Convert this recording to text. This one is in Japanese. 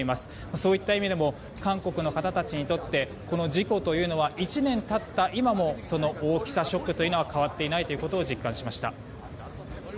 そういった意味でも韓国の方たちにとってこの事故は１年経った今も、その大きさショックというのは変わっていないことを実感しました。